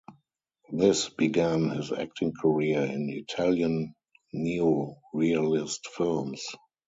This began his acting career in Italian neorealist films.